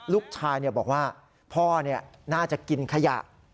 ลูกชายบอกว่าพ่อน่าจะกินขยะ